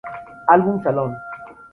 Album Salón.